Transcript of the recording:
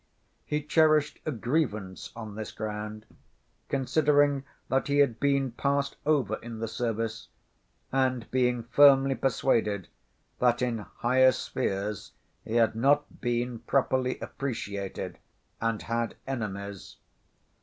He cherished a grievance on this ground, considering that he had been passed over in the service, and being firmly persuaded that in higher spheres he had not been properly appreciated, and had enemies.